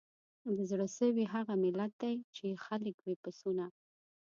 د زړه سوي هغه ملت دی چي یې خلک وي پسونه